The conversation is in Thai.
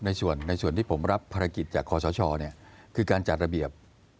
ในส่วนที่ผมรับภารกิจจากคอสชคือการจัดระเบียบ